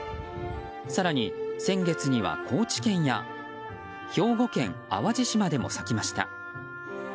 更に、先月には高知県や兵庫県淡路島でも咲きました。